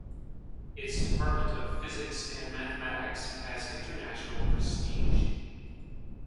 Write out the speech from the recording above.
Its departments of physics and mathematics has international prestige.